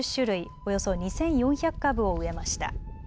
およそ２４００株を植えました。